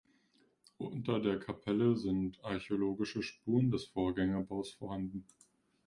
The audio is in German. Unter der Kapelle sind archäologische Spuren des Vorgängerbaus vorhanden.